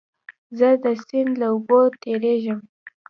زه د سیند له اوبو تېرېږم.